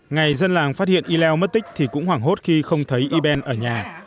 ngày dân làng phát hiện il mất tích thì cũng hoảng hốt khi không thấy y ben ở nhà